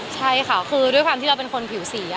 ใช่ค่ะคือด้วยความที่เราเป็นคนผิวสี